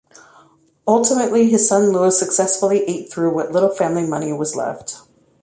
Ultimately, his son Lewis successfully ate through what little family money was left.